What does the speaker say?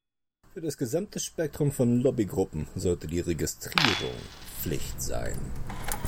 Für das gesamte Spektrum von Lobbygruppen sollte die Registrierung Pflicht sein.